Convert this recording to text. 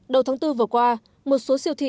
đầu tháng bốn vừa qua một số siêu thị